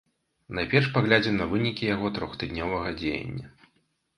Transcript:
Найперш паглядзім на вынікі яго трохтыднёвага дзеяння.